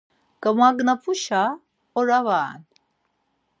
Gamagnapuşa ora va ren.